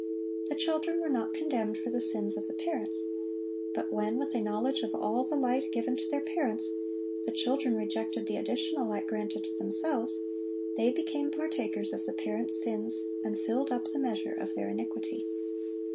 The children were not condemned for the sins of the parents; but when, with a knowledge of all the light given to their parents, the children rejected the additional light granted to themselves, they became partakers of the parents' sins, and filled up the measure of their iniquity.